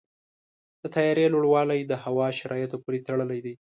د طیارې لوړوالی د هوا شرایطو پورې تړلی دی.